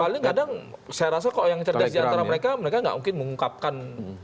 ya paling kadang saya rasa kalau yang cerdas di antara mereka mereka nggak mungkin mengungkapkan